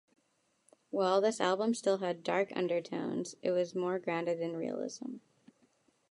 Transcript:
While this album still had dark undertones, it was more grounded in realism.